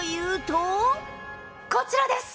こちらです！